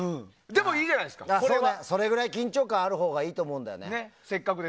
それぐらい緊張感あるほうがいいと思うんですよね。